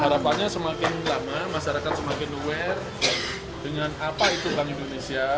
harapannya semakin lama masyarakat semakin aware dengan apa itu bank indonesia